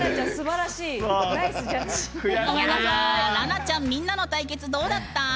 らなちゃんみんなの対決、どうだった？